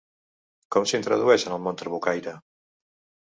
Com s’introdueix en el món trabucaire?